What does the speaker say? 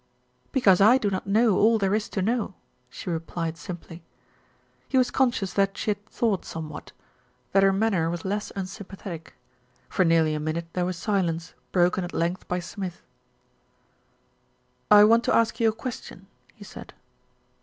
"Because I do not know all there is to know," she replied simply. He was conscious that she had thawed somewhat, 272 THE RETURN OF ALFRED that her manner was less unsympathetic. For nearly a minute there was silence, broken at length by Smith. "I want to ask you a question," he said.